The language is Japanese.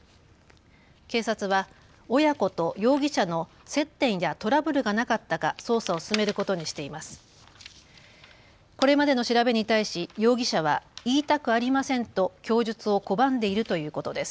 警察は親子と容疑者の接点やトラブルがなかったか捜査を進めることにしています。